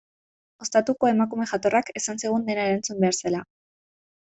Ostatuko emakume jatorrak esan zigun dena erantzun behar zela.